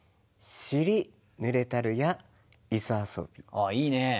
あっいいね。